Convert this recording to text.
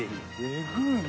えぐいな。